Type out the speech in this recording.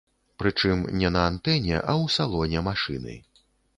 Прычым не на антэне, а ў салоне машыны.